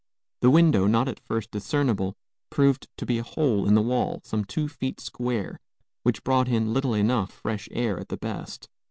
The window, not at first discernible, proved to be a hole in the wall, some two feet square, which brought in little enough fresh air, at the best.